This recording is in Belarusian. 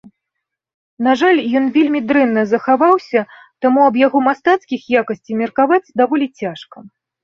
На жаль, ён вельмі дрэнна захаваўся, таму аб яго мастацкіх якасцях меркаваць даволі цяжка.